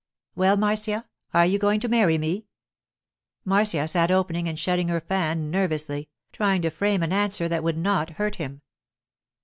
'Well, Marcia, are you going to marry me?' Marcia sat opening and shutting her fan nervously, trying to frame an answer that would not hurt him.